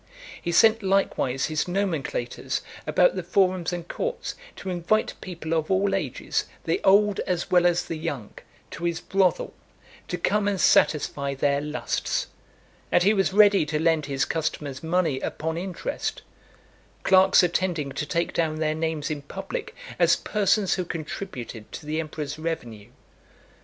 He sent likewise his nomenclators about the forums and courts, to invite people of all ages, the old as well as the young, to his brothel, to come and satisfy their lusts; and he was ready to lend his customers money upon interest; clerks attending to take down their names in public, as persons who contributed to the emperor's revenue.